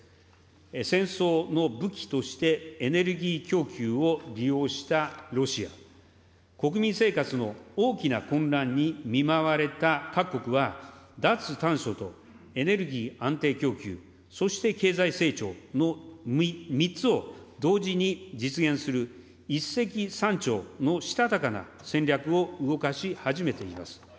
戦争の武器としてエネルギー供給を利用したロシア、国民生活の大きな混乱に見舞われた各国は、脱炭素とエネルギー安定供給、そして経済成長の３つを同時に実現する、一石三鳥のしたたかな戦略を動かし始めています。